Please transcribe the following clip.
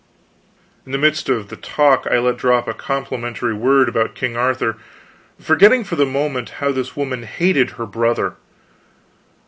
In the midst of the talk I let drop a complimentary word about King Arthur, forgetting for the moment how this woman hated her brother.